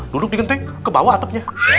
duduk di genteng kebawah atapnya